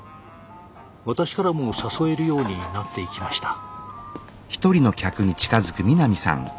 私からも誘えるようになっていきました。